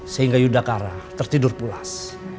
sehingga yudhakara tertidur pulas